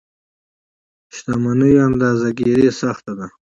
شتمنيو اندازه ګیري سخته ده.